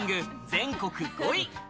全国５位。